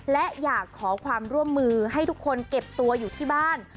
และอยากขอความร่วมมือให้ทุกคนเก็บตัวอยู่ที่บ้าน